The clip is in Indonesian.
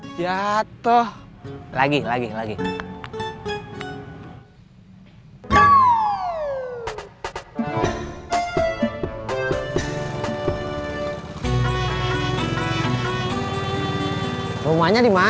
tidak ada yang mau beritahu aku